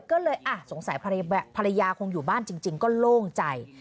ก็เลยสงสัยภรรยาคงอยู่บ้านจริงก็โล่งใจ